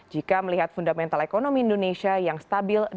jika melihat fundamental ekonomi indonesia yang stabil